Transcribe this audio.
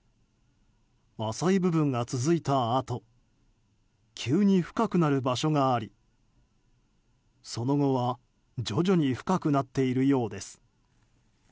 浅い部分が続いたあと急に深くなる場所がありその後は徐々に深くなっているようです。